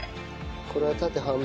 これは縦半分。